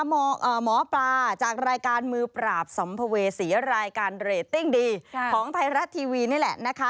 หมอปลาจากรายการมือปราบสัมภเวษีรายการเรตติ้งดีของไทยรัฐทีวีนี่แหละนะคะ